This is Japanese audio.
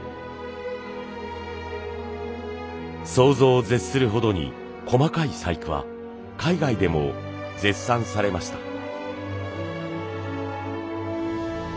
想像を絶するほどに細かい細工は海外でも絶賛されました。